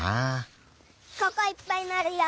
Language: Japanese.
ここいっぱいなるよ。